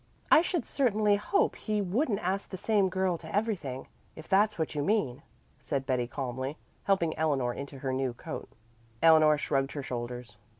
"I should certainly hope he wouldn't ask the same girl to everything, if that's what you mean," said Betty calmly, helping Eleanor into her new coat. Eleanor shrugged her shoulders.